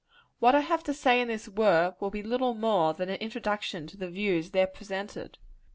What I have to say in this work, will be little more than an introduction to the views there presented.